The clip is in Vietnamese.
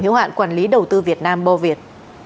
hiếu hạn quản lý đầu tư việt nam bô việt